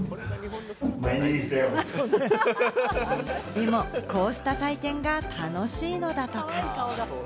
でも、こうした体験が楽しいのだとか。